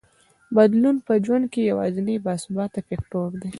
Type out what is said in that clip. بدلون په ژوند کې یوازینی باثباته فکټور دی.